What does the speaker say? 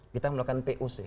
kita melakukan puc